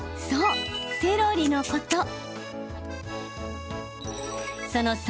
そう、セロリのこと。